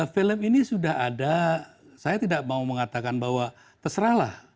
film ini sudah ada saya tidak mau mengatakan bahwa terserahlah